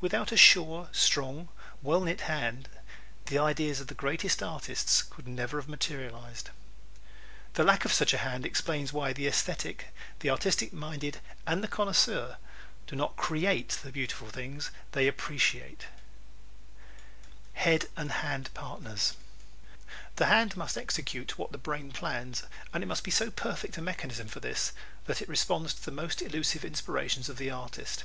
Without a sure, strong, well knit hand the ideas of the greatest artists could never have materialized. The lack of such a hand explains why the esthetic, the artistic minded and the connoisseur do not create the beautiful things they appreciate. Head and Hand Partners ¶ The hand must execute what the brain plans and it must be so perfect a mechanism for this that it responds to the most elusive inspirations of the artist.